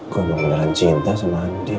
gue mau melakukan cinta sama andin